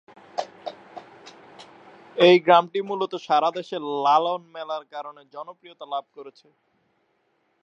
এই গ্রামটি মূলত সারা দেশে লালন মেলার কারণে জনপ্রিয়তা লাভ করেছে।